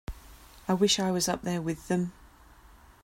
I wish I was up there with them.